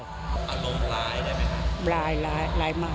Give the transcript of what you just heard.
อารมณ์ร้ายได้ไหมครับร้ายร้ายมาก